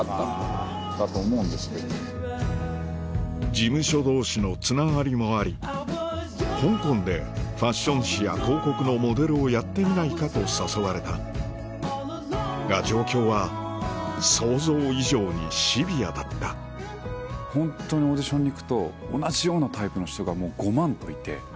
事務所同士のつながりもあり香港でファッション誌や広告のモデルをやってみないかと誘われたが状況は想像以上にシビアだったホントにオーディションに行くと同じようなタイプの人がごまんといて。